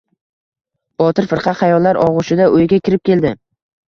Botir firqa xayollar og‘ushida uyiga kirib keldi.